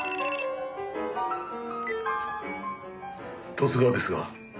十津川ですが。